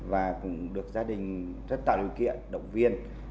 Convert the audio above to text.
và cũng được gia đình rất tạo điều kiện động viên